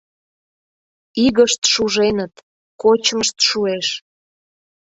Игышт шуженыт, кочмышт шуэш.